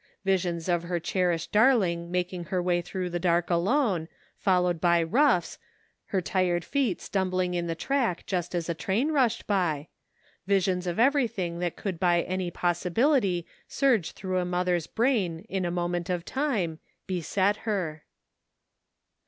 Visions of her cherished darling making her way through the dark alone, followed by roughs, her tired feet stumbling in the track just as the train rushed by; visions of everything that could by any possibility surge through a mother's brain in a moment of time, beset her.